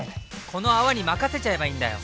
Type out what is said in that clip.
この泡に任せちゃえばいいんだよ！